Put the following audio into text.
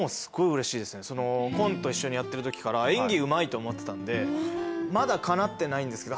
コント一緒にやってる時から演技うまいと思ってたんでまだかなってないんですけど。